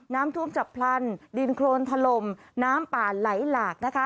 น้ำท่วมจับพลันดินโครนถล่มน้ำป่าไหลหลากนะคะ